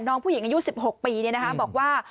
น้องผู้หญิงอายุสิบหกปีเนี่ยนะฮะบอกว่า